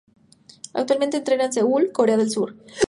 Actualmente entrena en Seúl, Corea del Sur.